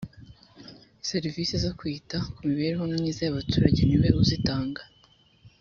Serivisi zo kwita ku mibereho myiza y’ abaturage niwe uzitanga.